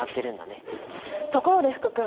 ところで福君。